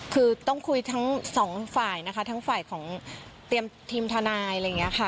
คือต้องคุยทั้งสองฝ่ายนะคะทั้งฝ่ายของเตรียมทีมทนายอะไรอย่างนี้ค่ะ